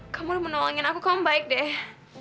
kamu menolongin aku kamu baik deh